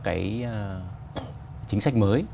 chính sách mới